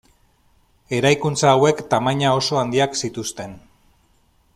Eraikuntza hauek tamaina oso handiak zituzten.